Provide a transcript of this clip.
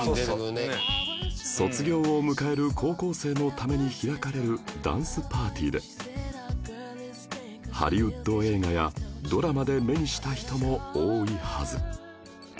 卒業を迎える高校生のために開かれるダンスパーティーでハリウッド映画やドラマで目にした人も多いはず